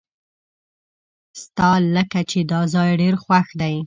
ستالکه چې داځای ډیر خوښ دی .